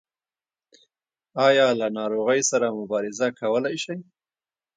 ایا له ناروغۍ سره مبارزه کولی شئ؟